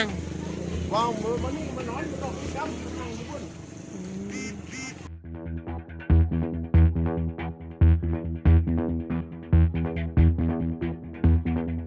มันนี่มันน้อยมันต้องพิกัดมันต้องพิกัดมันต้องพิกัด